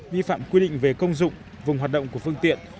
vi phạm quy định về công dụng vùng hoạt động của phương tiện